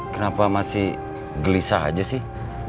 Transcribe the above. kenapa masih gelisah aja sih